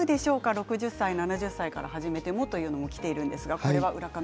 ６０歳７０歳から始めてもときています。